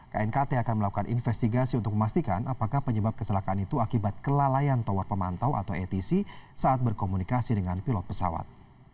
knkt akan melakukan investigasi untuk memastikan apakah penyebab kecelakaan itu akibat kelalaian tower pemantau atau atc saat berkomunikasi dengan pilot pesawat